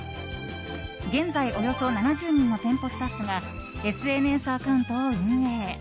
現在およそ７０人の店舗スタッフがＳＮＳアカウントを運営。